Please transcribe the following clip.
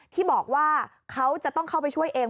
ที่บอกว่าเขาจะต้องเข้าไปช่วยเอง